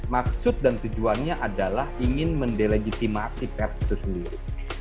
maksud dan tujuannya adalah ingin mendelegitimasi pers tersebut